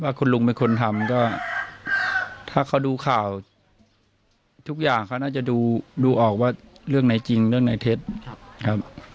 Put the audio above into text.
คุณลุงเป็นคนทำก็ถ้าเขาดูข่าวทุกอย่างเขาน่าจะดูออกว่าเรื่องไหนจริงเรื่องไหนเท็จครับ